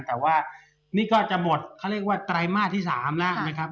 แต่ว่านี่ก็จะหมดเขาเรียกว่าไตรมาสที่๓แล้วนะครับ